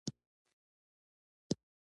د کمپیوټر پروګرامونه د روبوټ مغز جوړوي.